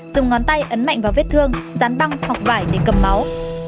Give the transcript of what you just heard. dùng ngón tay ấn mạnh vào vết thương dán băng hoặc vải để cầm máu